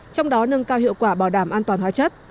trong đó nâng cao hiệu quả bảo đảm an toàn hóa chất